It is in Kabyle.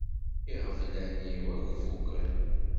Iɣeblan-iw akk fukken.